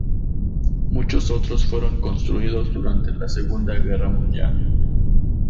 Muchos otros fueron construidos durante la Segunda Guerra Mundial.